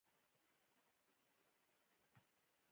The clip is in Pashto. دا څومره قیمت لري ?